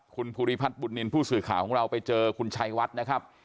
คุณภูริพัฒน์บุญนินทร์ผู้สื่อข่าวของเราไปเจอคุณชัยวัดนะครับ